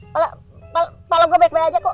kepala gue baik baik aja kok